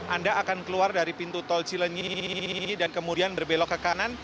anda akan keluar dari pintu tol cilenyi dan kemudian berbelok ke kanan